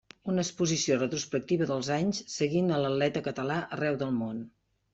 Una exposició retrospectiva dels anys seguint a l'atleta català arreu del món.